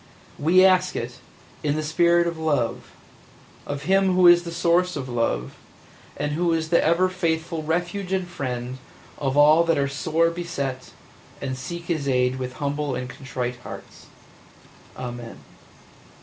We ask it, in the spirit of love, of Him Who is the Source of Love, and Who is the ever faithful refuge and friend of all that are sore beset and seek His aid with humble and contrite hearts. Amen.